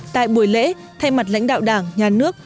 tại buổi lễ thay mặt lãnh đạo đảng nhà nước